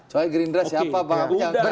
coy gerindra siapa bang